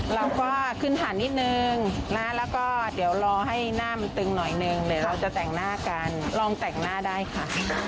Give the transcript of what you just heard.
เราก็ขึ้นฐานนิดนึงนะแล้วก็เดี๋ยวรอให้หน้ามันตึงหน่อยนึงเดี๋ยวเราจะแต่งหน้ากันลองแต่งหน้าได้ค่ะ